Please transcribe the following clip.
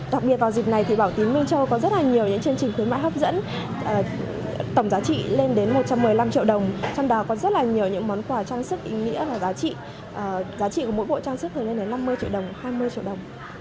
đặc biệt vào dịp này thì bảo tín minh châu có rất là nhiều những chương trình khuyến mãi hấp dẫn tổng giá trị lên đến một trăm một mươi năm triệu đồng trong đó có rất là nhiều những món quà trang sức ý nghĩa và giá trị giá trị của mỗi bộ trang sức lên đến năm mươi triệu đồng hai mươi triệu đồng